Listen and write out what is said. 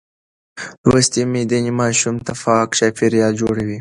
لوستې میندې ماشوم ته پاک چاپېریال جوړوي.